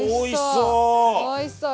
おいしそう！